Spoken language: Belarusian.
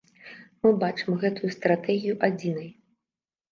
Мы бачым гэтую стратэгію адзінай.